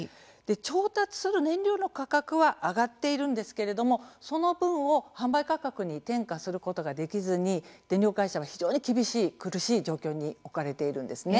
調達する燃料の価格は上がっているんですけれどもその分を販売価格に転嫁することができずに電力会社は非常に厳しい苦しい状況に置かれているんです。